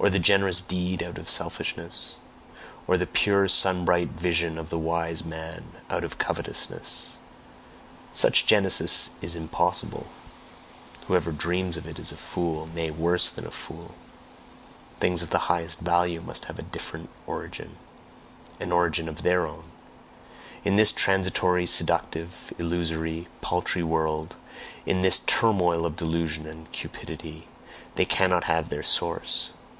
or the generous deed out of selfishness? or the pure sun bright vision of the wise man out of covetousness? Such genesis is impossible; whoever dreams of it is a fool, nay, worse than a fool; things of the highest value must have a different origin, an origin of THEIR own in this transitory, seductive, illusory, paltry world, in this turmoil of delusion and cupidity, they cannot have their source.